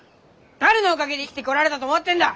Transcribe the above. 誰のおかげで生きてこられたと思ってんだ！